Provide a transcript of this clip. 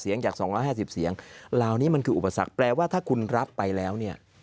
เสียงจาก๒๕๐เสียงเหล่านี้มันคืออุปสรรคแปลว่าถ้าคุณรับไปแล้วเนี่ย